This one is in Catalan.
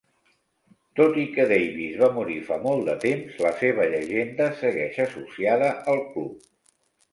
Tot i que Davies va morir fa molt de temps, la seva llegenda segueix associada al club.